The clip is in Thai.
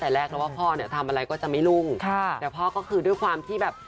อ่าแล้วแต่พ่อแต่ว่าตอนนี้หนูเห็นเขาหยุดแล้ว